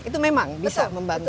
itu memang bisa membantu